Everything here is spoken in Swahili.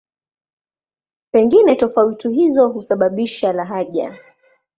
Pengine tofauti hizo husababisha lahaja.